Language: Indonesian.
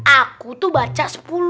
aku tu baca sepuluh